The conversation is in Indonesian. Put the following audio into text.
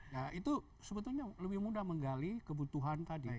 nah itu sebetulnya lebih mudah menggali kebutuhan tadi